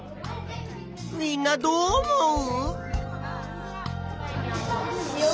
みんなどう思う？